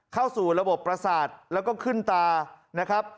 เข้าสู่ระบบประสาทแล้วก็ขึ้นตานะครับ